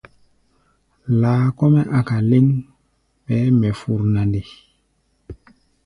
Laa kɔ́-mɛ́ a̧ka̧ léŋ, ɓɛɛ mɛ fur na nde?